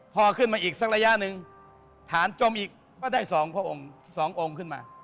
พอขึ้นมาอีกสักระยะหนึ่งฐานจมอีกก็ได้๒พระองค์๒องค์ขึ้นมา